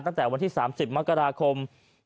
ตั้งแต่วันที่๓๐มกราคม